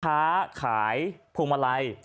ค้าขายพวงมาลัย